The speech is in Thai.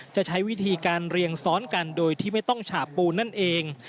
จะใช้วิธีการเรียงซ้อนกันโดยที่ไม่ต้องฉาบปูนั่นเอง